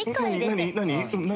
何？